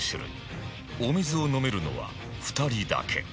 お水を飲めるのは２人だけ